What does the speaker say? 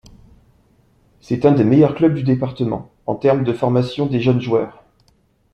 C'est un des meilleurs clubs du département, en termes de formation des jeunes joueurs.